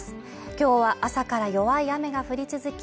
今日は朝から弱い雨が降り続き